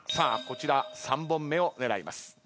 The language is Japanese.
こちら３本目を狙います。